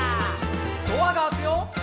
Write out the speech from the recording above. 「ドアが開くよ」